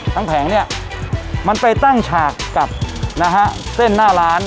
ทั้งแผงเนี่ยมันไปตั้งฉากกับเส้นหน้าร้าน